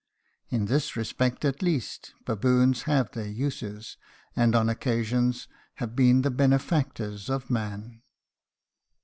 In this respect at least, baboons have their uses, and on occasions have been the benefactors of man.